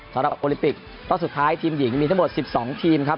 สำหรับโอลิปิกรอบสุดท้ายทีมหญิงมีทั้งหมด๑๒ทีมครับ